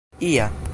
ia